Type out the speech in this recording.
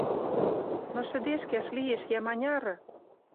Но шӹдешкӓш лиэш йӓ маняры?